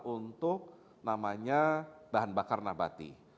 untuk namanya bahan bakar nabati